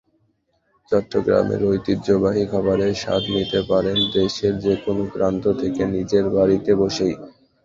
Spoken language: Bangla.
চট্টগ্রামের ঐতিহ্যবাহী খাবারের স্বাদ নিতে পারেন দেশের যেকোনো প্রান্ত থেকে, নিজের বাড়িতে বসেই।